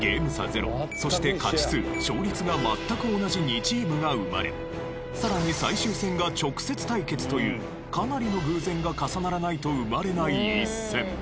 ゼロそして勝ち数勝率が全く同じ２チームが生まれさらに最終戦が直接対決というかなりの偶然が重ならないと生まれない一戦。